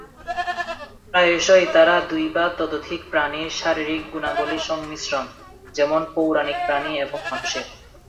প্রায়শই তারা দুই বা ততোধিক প্রাণীর শারীরিক গুণাবলীর সংমিশ্রণ যেমন পৌরাণিক প্রাণী এবং মানুষের।